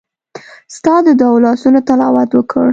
ستا د دوو لاسونو تلاوت وکړ